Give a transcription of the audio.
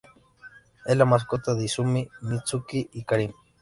Es la mascota de Izumi, Mitsuki y Karin.